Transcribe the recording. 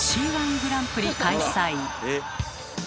「Ｃ−１グランプリ」開催！